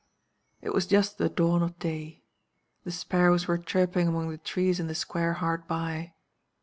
"It was just the dawn of day. The sparrows were chirping among the trees in the square hard by.